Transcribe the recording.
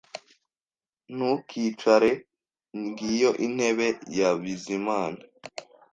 Ntukicare. Ngiyo intebe ya Bizimana